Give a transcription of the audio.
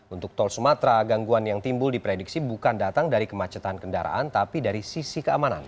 untuk tol sumatera gangguan yang timbul diprediksi bukan datang dari kemacetan kendaraan tapi dari sisi keamanan